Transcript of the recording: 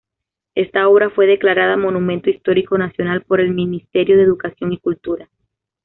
Esta obra fue declarada Monumento Histórico Nacional por el Ministerio de Educación y Cultura.